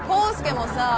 もさ